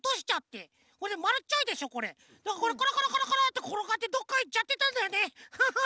コロコロコロコロってころがってどっかいっちゃってたんだよねハハハ！